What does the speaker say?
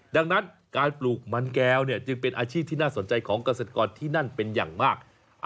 ดังนั้นการปลูกมันแก้วจึงเป็นอาชีพที่น่าสนใจของเกษตรกรที่นั่นเป็นอย่างมาก